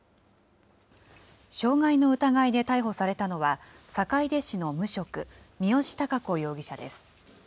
傷害の疑いで逮捕されたのは、坂出市の無職、三好貴子容疑者です。